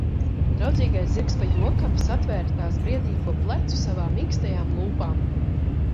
Draudzīgais zirgs pa jokam satvēra tās briedīgo plecu savām mīkstajām lūpām.